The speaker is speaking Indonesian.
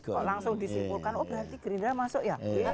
kok langsung disimpulkan oh berarti gerindra masuk ya